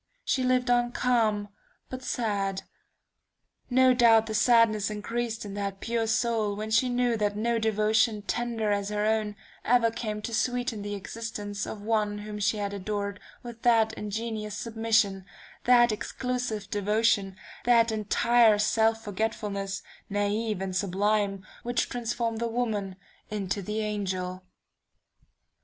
She lived on calm, but sad. No doubt the sadness increased in that pure soul when she knew that no devotion tender as her own, ever came to sweeten the existence of one whom she had adored with that ingenuous submission, that exclusive devotion, that entire self forgetfulness, naive and sublime, which transform the woman into the angel.